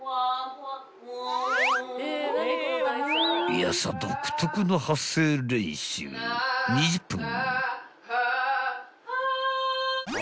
［いやさ独特な発声練習２０分］